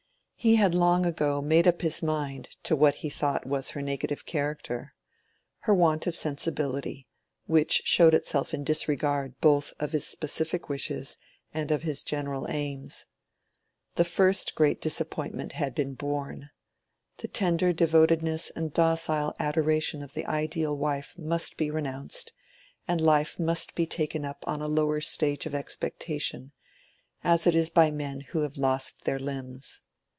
He had long ago made up his mind to what he thought was her negative character—her want of sensibility, which showed itself in disregard both of his specific wishes and of his general aims. The first great disappointment had been borne: the tender devotedness and docile adoration of the ideal wife must be renounced, and life must be taken up on a lower stage of expectation, as it is by men who have lost their limbs.